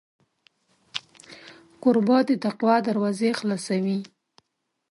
کوربه د تقوا دروازې خلاصوي.